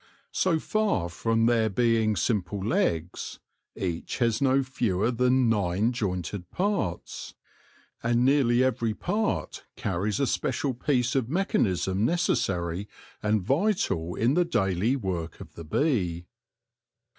So far from their being simple legs, each has no fewer than I A ROMANCE OF ANATOMY 103 nine jointed parts, and nearly every part carries a special piece of mechanism necessary and vital in the daily work of the bee.